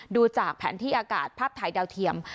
ดูจากแผนที่อากาศภาพถ่ายดาวเทียม